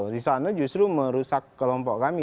di sana justru merusak kelompok kami